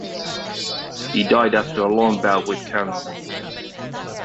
He died after a long bout with cancer.